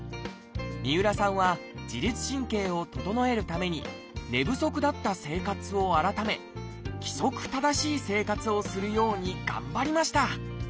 三浦さんは自律神経を整えるために寝不足だった生活を改め規則正しい生活をするように頑張りました。